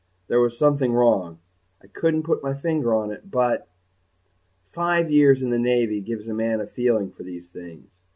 There was something wrong. I couldn't put my finger on it but_ five years in the Navy gives a man a feeling for these things.